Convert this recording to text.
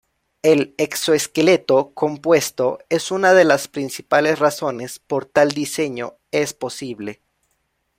El exoesqueleto compuesto es una de las principales razones por tal diseño es posible.